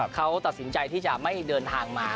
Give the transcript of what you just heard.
เขาตัดสินใจที่จะไม่เดินทางมา